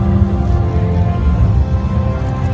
สโลแมคริปราบาล